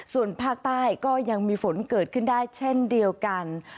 ส่วนภาคใต้ก็ยังมีฝนเกิดขึ้นได้เช่นเดียวกัน